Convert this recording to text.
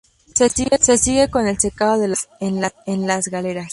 Se sigue con el secado de las hojas en las galeras.